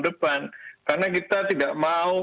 depan karena kita tidak mau